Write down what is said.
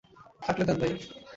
থাকলে দেন, ভাই।